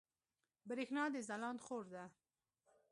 برېښنا د ځلاند خور ده